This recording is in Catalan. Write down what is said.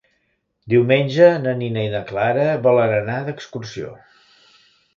Diumenge na Nina i na Clara volen anar d'excursió.